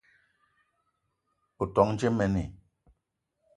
O ton dje mene?